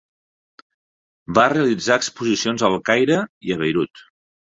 Va realitzar exposicions al Caire i a Beirut.